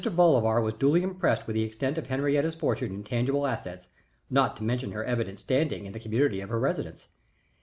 Bolivar was duly impressed with the extent of Henriette's fortune in tangible assets, not to mention her evident standing in the community of her residence.